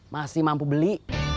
masih mampu beli